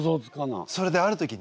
それである時ね